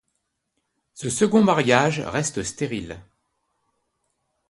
Ce second mariage reste stérile.